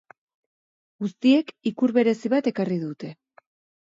Guztiek ikur berezi bat ekarriko dute.